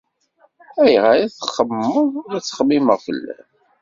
Ayɣer i txemmeḍ la ttxemmimeɣ fell-am?